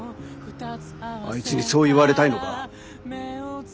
あいつにそう言われたいのか？